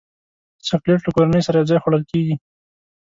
چاکلېټ له کورنۍ سره یوځای خوړل کېږي.